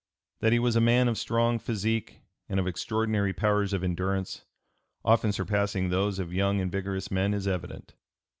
That he was a man of strong physique and of extraordinary powers of endurance, often surpassing those of young and vigorous men, is evident.